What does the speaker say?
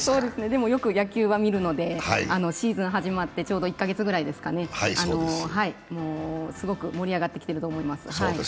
でもよく野球は見るので、シーズン始まってちょうど１カ月ぐらいですかね、すごく盛り上がってきてると思います。